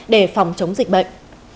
để phòng chống dịch bệnh